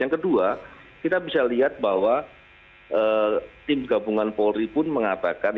yang kedua kita bisa lihat bahwa tim gabungan polri pun mengatakan